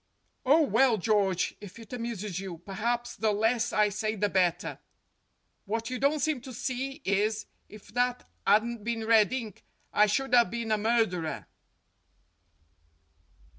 "Oh, well, George, if it amuses you, perhaps the less I say the better. What you don't seem to see is if that 'adn't bin red ink I should have been a murderer."